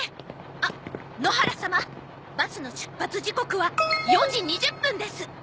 あっ野原様バスの出発時刻は４時２０分です。